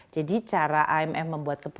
jadi cara imf membuat kepentingan